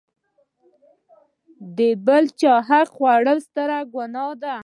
د بل چاحق خوړل ستره ګناه ده.